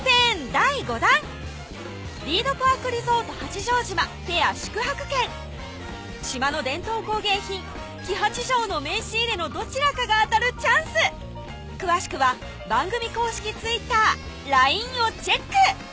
第五弾リードパークリゾート八丈島ペア宿泊券島の伝統工芸品黄八丈の名刺入れのどちらかが当たるチャンス詳しくは番組公式Ｔｗｉｔｔｅｒ・ＬＩＮＥをチェック！